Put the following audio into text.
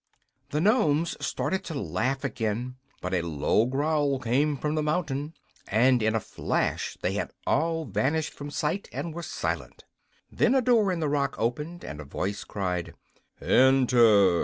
The Nomes started to laugh again; but a low growl came from the mountain, and in a flash they had all vanished from sight and were silent. Then a door in the rock opened, and a voice cried: "Enter!"